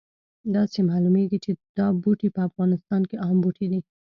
داسې معلومیږي چې دا بوټی په افغانستان کې عام بوټی دی